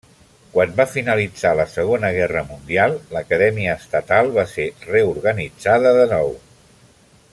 Quan va finalitzar la Segona Guerra Mundial, l'Acadèmia Estatal va ser reorganitzada de nou.